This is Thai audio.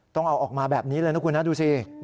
ต้องเอาออกมาแบบนี้เลยนะคุณนะดูสิ